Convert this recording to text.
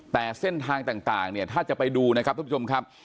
แต่เส้นทางต่างเนี่ยถ้าจะไปดูนะครับทุกผู้ชมครับ